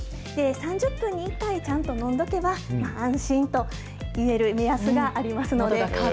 ３０分に１回、ちゃんと飲んどけば安心といえる目安がありますので。